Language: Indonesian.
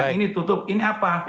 ini tutup ini apa